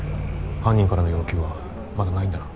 犯人からの要求はまだないんだな？